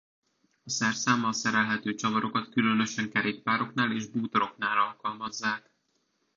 A szerszámmal szerelhető csavarokat különösen kerékpároknál és bútoroknál alkalmazzák.